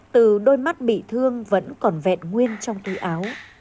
từ đôi mắt bị thương vẫn còn vẹn nguyên trong túi áo